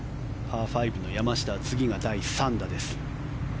パー５の山下は次が第３打です。